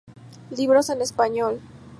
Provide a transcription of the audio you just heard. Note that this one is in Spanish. Libros en español.